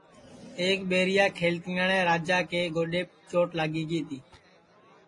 ایک ٻیریا کھلتیاٹؔے راجا کے گوڈؔیپ چوٹ لاگی گی تی